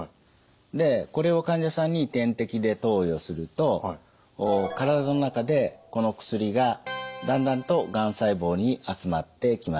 これを患者さんに点滴で投与すると体の中でこの薬がだんだんとがん細胞に集まってきます。